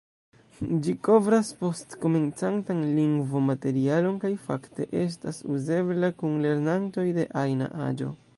Ĝi kovras post-komencantan lingvo-materialon kaj fakte estas uzebla kun lernantoj de ajna aĝo.